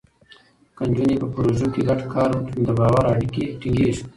که نجونې په پروژو کې ګډ کار وکړي، نو د باور اړیکې ټینګېږي.